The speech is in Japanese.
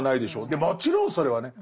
もちろんそれはね